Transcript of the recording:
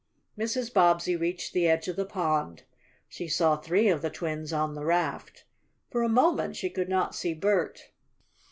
Mrs. Bobbsey reached the edge of the pond. She saw three of the twins on the raft. For the moment she could not see Bert.